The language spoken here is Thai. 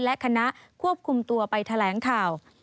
และคณะควบคุมตัวไปแถลงข่าว